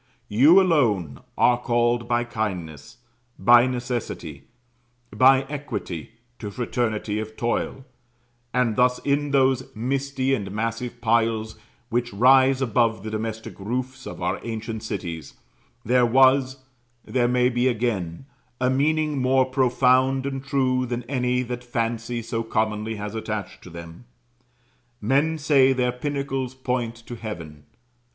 You alone are called by kindness, by necessity, by equity, to fraternity of toil; and thus, in those misty and massive piles which rise above the domestic roofs of our ancient cities, there was there may be again a meaning more profound and true than any that fancy so commonly has attached to them. Men say their pinnacles point to heaven.